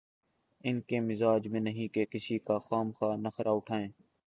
ان کے مزاج میں نہیں کہ کسی کا خواہ مخواہ نخرہ اٹھائیں۔